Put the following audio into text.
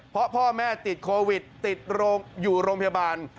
เพราะพ่อแม่ติดโควิดติดอยู่โรงพยาบาล